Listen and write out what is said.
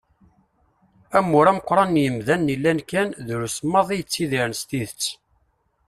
Amur n ameqqran n yimdanen llan kan , drus maḍi i yettidiren s tidet.